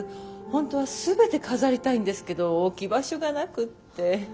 本当は全て飾りたいんですけど置き場所がなくって。